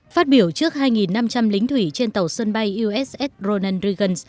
phát biểu trước hai năm trăm linh lính thủy trên tàu sân bay uss ronald reagan